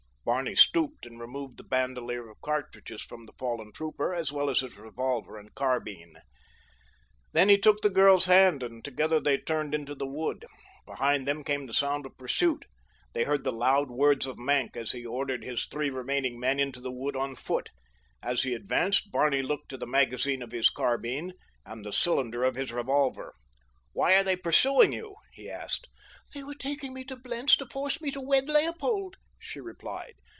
Barney stooped and removed the bandoleer of cartridges from the fallen trooper, as well as his revolver and carbine. Then he took the girl's hand and together they turned into the wood. Behind them came the sound of pursuit. They heard the loud words of Maenck as he ordered his three remaining men into the wood on foot. As he advanced, Barney looked to the magazine of his carbine and the cylinder of his revolver. "Why were they pursuing you?" he asked. "They were taking me to Blentz to force me to wed Leopold," she replied.